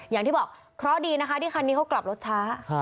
อย่างที่บอกเคราะห์ดีนะคะที่คันนี้เขากลับรถช้า